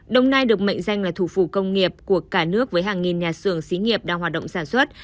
đồng nai được mệnh danh là thủ phủ công nghiệp của cả nước với hàng nghìn nhà xưởng xí nghiệp đang hoạt động sản xuất